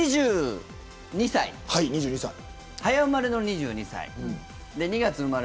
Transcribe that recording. ２２歳、早生まれの２２歳。